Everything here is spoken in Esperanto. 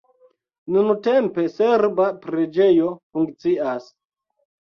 Nuntempe serba preĝejo funkcias.